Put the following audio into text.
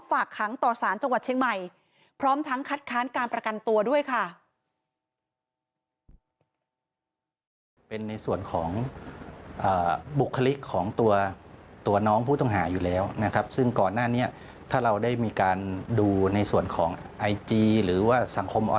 ฝากขังต่อสารจังหวัดเชียงใหม่